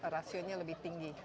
rasionya lebih tinggi